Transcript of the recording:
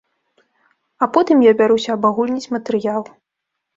А потым я бяруся абагульніць матэрыял.